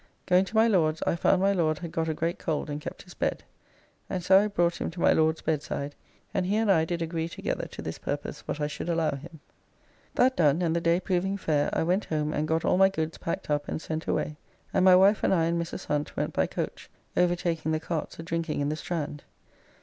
Going to my Lord's I found my Lord had got a great cold and kept his bed, and so I brought him to my Lord's bedside, and he and I did agree together to this purpose what I should allow him. That done and the day proving fair I went home and got all my goods packed up and sent away, and my wife and I and Mrs. Hunt went by coach, overtaking the carts a drinking in the Strand.